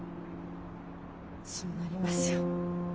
そうなりますよ。